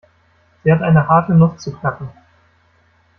Sie hat eine harte Nuss zu knacken.